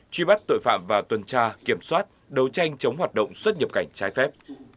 truy bắt tội phạm và tuần tra kiểm soát đấu tranh chống hoạt động xuất nhập cảnh trái phép